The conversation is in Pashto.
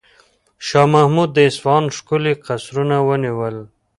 شاه محمود د اصفهان ښکلي قصرونه ونیول.